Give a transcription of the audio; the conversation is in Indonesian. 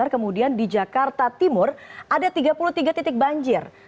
kemudian di jakarta timur ada tiga puluh tiga titik banjir